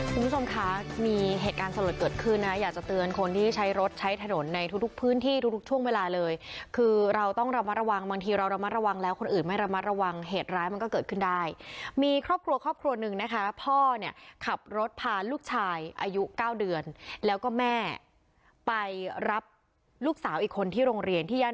คุณผู้ชมคะมีเหตุการณ์สลดเกิดขึ้นนะอยากจะเตือนคนที่ใช้รถใช้ถนนในทุกทุกพื้นที่ทุกทุกช่วงเวลาเลยคือเราต้องระมัดระวังบางทีเราระมัดระวังแล้วคนอื่นไม่ระมัดระวังเหตุร้ายมันก็เกิดขึ้นได้มีครอบครัวครอบครัวหนึ่งนะคะพ่อเนี่ยขับรถพาลูกชายอายุเก้าเดือนแล้วก็แม่ไปรับลูกสาวอีกคนที่โรงเรียนที่ย่าน